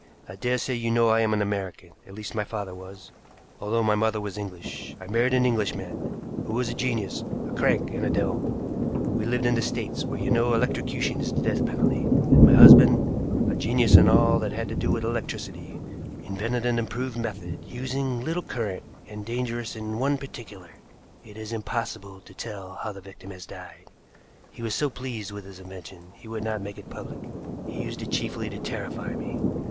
I daresay you know I am an American at least my father was, although my mother was English. I married an Englishman, who was a genius, a crank, and a devil. We lived in the States, where you know electrocution is the death penalty, and my husband, a genius in all that had to do with electricity, invented an improved method, using little current and dangerous in one particular it is impossible to tell how the victim has died. He was so pleased with his invention he would not make it public. He used it chiefly to terrify me.